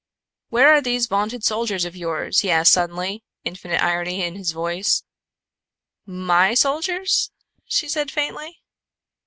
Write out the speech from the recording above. "Where are these vaunted soldiers of yours?" he suddenly asked, infinite irony in his voice. "My soldiers?" she said faintly.